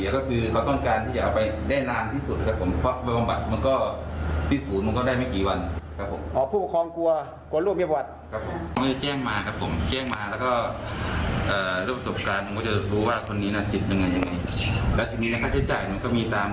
คือผู้ปกครองเนี่ยเขาอยากจะให้เอาไปโดยไม่มีคดีไม่มีประวัติเสีย